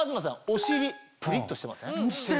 お尻ぷりっとしてません？